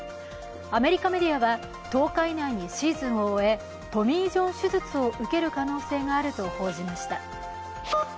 アメリカメディアは１０日以内にシーズンを終えトミー・ジョン手術を受ける可能性があると報じました。